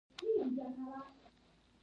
د بېړۍ چلونې او نورو اصلاحاتو کې څرګنده ده.